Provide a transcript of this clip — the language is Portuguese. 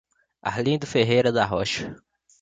Arlindo Ferreira da Rocha